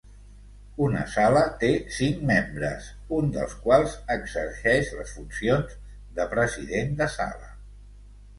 Una sala té cinc membres, un dels quals exerceix les funcions de president de sala.